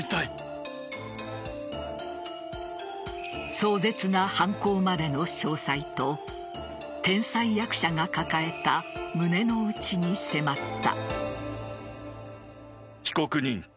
壮絶な犯行までの詳細と天才役者が抱えた胸の内に迫った。